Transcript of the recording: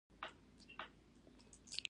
د غره زرکې څنګه ښکار کیږي؟